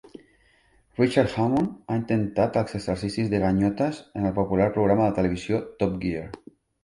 Richard Hammond ha intentat els exercicis de ganyotes en el popular programa de televisió Top Gear.